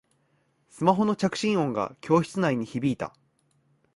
スマホの着信音が教室内に響いた